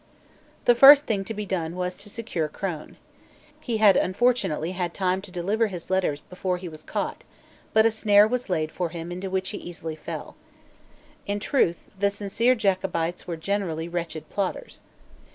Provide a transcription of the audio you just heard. The first thing to be done was to secure Crone. He had unfortunately had time to deliver his letters before he was caught: but a snare was laid for him into which he easily fell. In truth the sincere Jacobites were generally wretched plotters.